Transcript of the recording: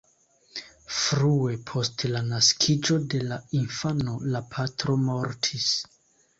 Frue post la naskiĝo de la infano, la patro mortis.